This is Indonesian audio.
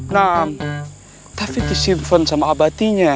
nah tapi disimpan sama abatinya